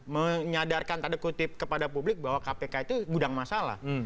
menyadarkan tanda kutip kepada publik bahwa kpk itu gudang masalah